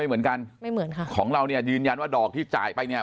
เหมือนกันไม่เหมือนค่ะของเราเนี่ยยืนยันว่าดอกที่จ่ายไปเนี่ย